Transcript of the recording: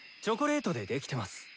チョコレートでできてます。